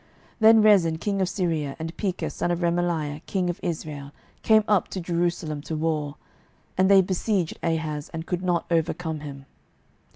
12:016:005 Then Rezin king of Syria and Pekah son of Remaliah king of Israel came up to Jerusalem to war: and they besieged Ahaz, but could not overcome him.